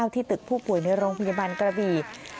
ที่ตึกผู้ป่วยในโรงพยาบาลกระบี่